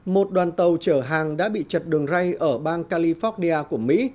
một đoàn tàu chở hàng đã bị chật đường rây ở bang california của mỹ